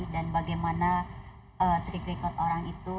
dan bagaimana trik rekod orang itu